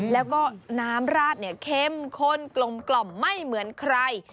แล้วก็น้ำราดเนี่ยเข้มข้นกลมไม่เหมือนใคร